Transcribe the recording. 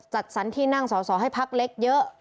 จัดสรรที่นั่งสอสอให้พักเล็กเยอะ